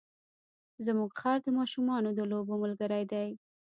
زموږ خر د ماشومانو د لوبو ملګری دی.